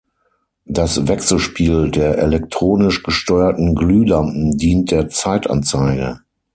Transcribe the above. Das Wechselspiel der elektronisch gesteuerten Glühlampen dient der Zeitanzeige.